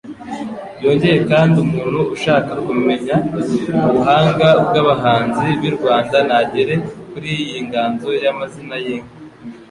Byongeye kandi umuntu ushaka kumenya ubuhanga bw'abahanzi b'i Rwanda ntagere kuri iyi nganzo y'amazina y'inka,